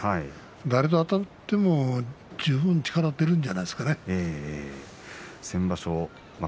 誰とあたっても十分力が出るんじゃないですか錦富士。